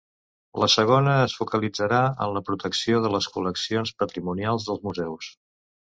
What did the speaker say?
La segona es focalitzarà en la protecció de les col·leccions patrimonials dels museus.